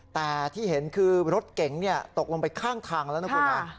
แต่ที่เห็นคือรถเก๋งตกลงไปข้างทางแล้วนะคุณนะ